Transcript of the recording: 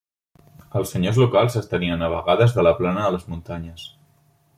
Els senyors locals s'estenien a vegades de la plana a les muntanyes.